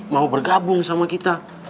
mau bergabung sama kita